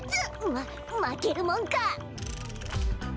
ままけるもんか！